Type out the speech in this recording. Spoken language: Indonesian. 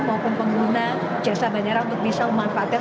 maupun pengguna jasa bandara untuk bisa memanfaatkan